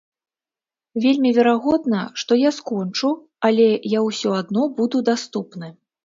Вельмі верагодна, што я скончу, але я ўсё адно буду даступны.